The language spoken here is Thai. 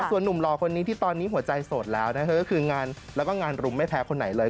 ส่วนหนุ่มหล่อคนนี้ที่ตอนนี้หัวใจโสดแล้วนะฮะก็คืองานแล้วก็งานรุมไม่แพ้คนไหนเลย